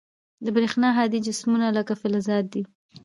د برېښنا هادي جسمونه لکه فلزات دي.